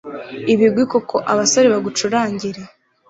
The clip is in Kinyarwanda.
ibigwi koko, abasore bagucurangire